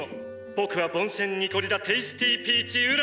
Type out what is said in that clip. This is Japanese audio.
僕はボンシェン・ニコリ・ラ・テイスティピーチ＝ウラ。